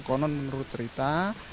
konon menurut cerita